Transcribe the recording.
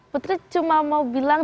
putri cuma mau bilang